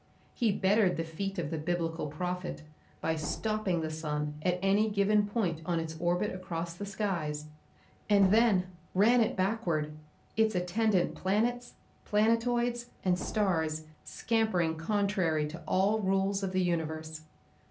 He bettered the feat of the Biblical prophet by stopping the sun at any given point on its orbit across the skies, and then ran it backward, its attendant planets, planetoids and stars scampering contrary to all rules of the universe.